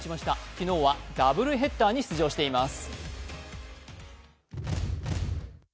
昨日はダブルヘッダーに出場しています。